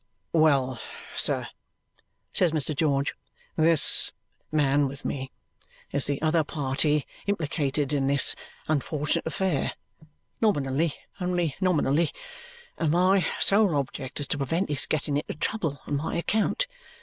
"Well, sir," says Mr. George, "this man with me is the other party implicated in this unfortunate affair nominally, only nominally and my sole object is to prevent his getting into trouble on my account.